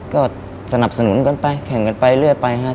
ก็สนับสนุนกันไปแข่งกันไปเรื่อยไปครับ